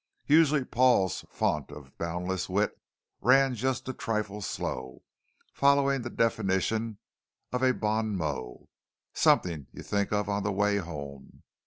Usually Paul's fount of boundless wit ran just a trifle slow, following the definition of a bon mot: something you think of on the way home.